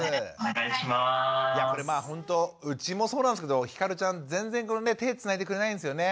これまあほんとうちもそうなんですけどひかるちゃん全然手つないでくれないんですよね。